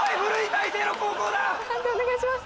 判定お願いします。